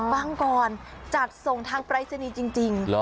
บางกรจัดส่งทางปรายศนีย์จริง